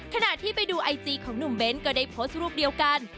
ขณะที่ไปดูไอจีของหนุ่มเบ้นก็ได้โพสต์รูปเดียวกัน